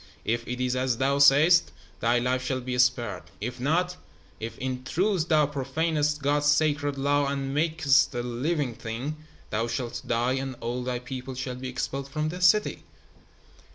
If it is as thou sayest, thy life shall be spared. If not if, in truth, thou profanest God's sacred law and makest a living thing, thou shalt die and all thy people shall be expelled from this city."